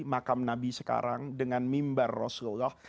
makam nabi sekarang dengan mimbar rasulullah